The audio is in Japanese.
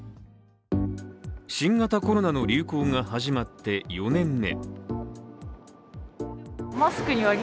新型コロナの流行が始まって４年目。